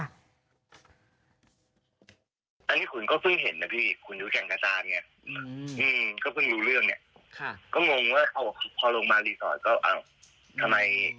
อะไรประมาณนี้ฮะ